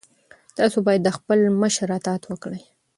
تاسو باید د خپل مشر اطاعت وکړئ.